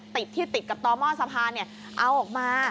ติดที่ติดกับต่อหม้อสะพานเอาออกมา